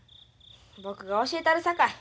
僕が教えたるさかい。